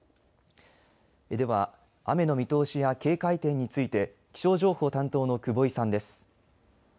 では雨の見通しや警戒点について気象情報担当の久保井さんです。